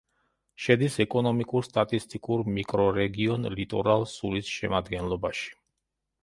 შედის ეკონომიკურ-სტატისტიკურ მიკრორეგიონ ლიტორალ-სულის შემადგენლობაში.